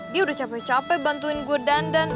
dia udah capek capek bantuin gue dandan